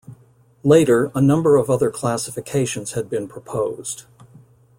Later, a number of other classifications had been proposed.